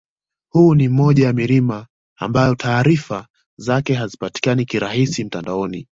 Huu ni moja ya milima ambayo taarifa zake hazipatikani kirahisi mtandaoni